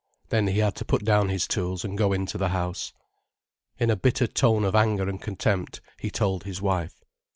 Then he had to put down his tools and go into the house. In a bitter tone of anger and contempt he told his wife.